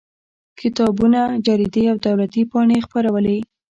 کتابونه جریدې او دولتي پاڼې یې خپرولې.